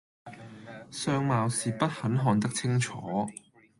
相貌是不很看得清楚，